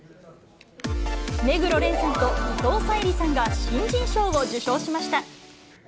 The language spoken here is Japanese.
目黒蓮さんと伊藤沙莉さんが新人賞を受賞しました。